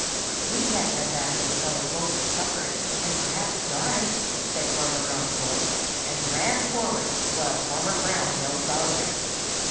"We can't let that little fellow go to suffer and perhaps die," said Farmer Brown's boy, and ran forward while Farmer Brown held Bowser.